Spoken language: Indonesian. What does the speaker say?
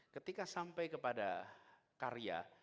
ketika sampai kepada karya